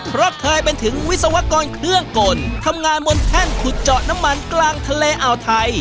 เพราะเคยเป็นถึงวิศวกรเครื่องกลทำงานบนแท่นขุดเจาะน้ำมันกลางทะเลอ่าวไทย